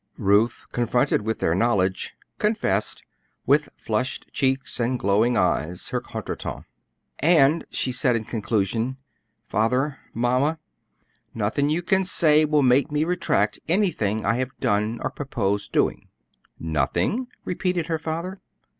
Ruth, confronted with their knowledge, confessed, with flushed cheeks and glowing eyes, her contretemps. "And," she said in conclusion, "Father, Mamma, nothing you can say will make me retract anything I have done or purpose doing." "Nothing?" repeated her father.